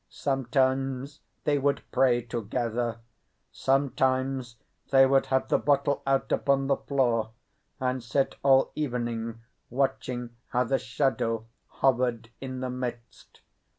Sometimes they would pray together; sometimes they would have the bottle out upon the floor, and sit all evening watching how the shadow hovered in the midst.